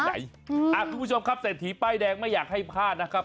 คุณผู้ชมครับเศรษฐีป้ายแดงไม่อยากให้พลาดนะครับ